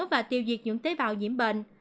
và tiêu diệt những tế bào nhiễm bệnh